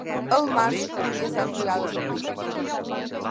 El març canvia set vegades al dia.